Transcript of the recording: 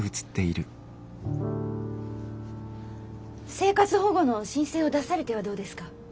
生活保護の申請を出されてはどうですか？